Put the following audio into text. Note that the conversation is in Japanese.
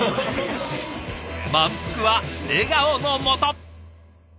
満腹は笑顔のもと！